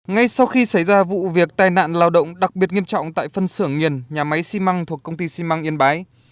ngay sau khi xảy ra vụ việc tai nạn lao động đặc biệt nghiêm trọng tại phân xưởng nhiền nhà máy xi măng thuộc công ty xi măng yên bái